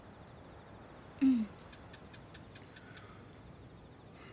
うん。